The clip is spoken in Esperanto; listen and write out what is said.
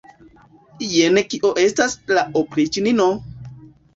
Jen kio estas la opriĉnino!